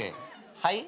はい？